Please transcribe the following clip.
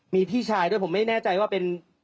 มีพี่ชายด้วยผมไม่แน่ใจว่าเป็น